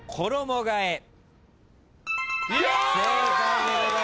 正解でございます。